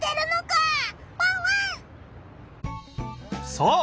そう！